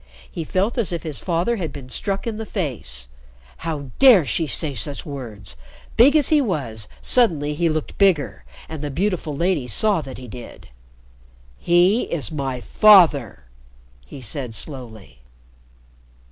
He felt as if his father had been struck in the face. How dare she say such words! Big as he was, suddenly he looked bigger, and the beautiful lady saw that he did. "He is my father," he said slowly.